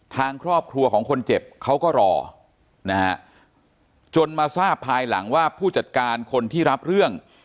ทางครอบครัวของคนเจ็บเขาก็รอนะฮะจนมาทราบภายหลังว่าผู้จัดการคนที่รับเรื่อง